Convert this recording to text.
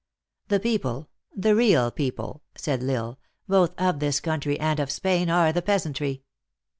" The people, the real people," said L Isle, " both of this country and of Spain, are the peasantry.